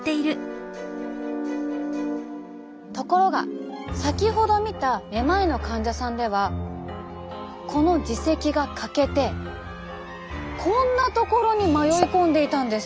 ところが先ほど見ためまいの患者さんではこの耳石が欠けてこんな所に迷い込んでいたんです。